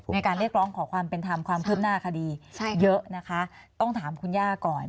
ในการเรียกร้องขอความเป็นธรรมความคืบหน้าคดีเยอะนะคะต้องถามคุณย่าก่อน